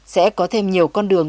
sẽ có thêm nhiều con đường